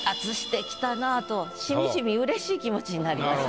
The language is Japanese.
しみじみうれしい気持ちになりました。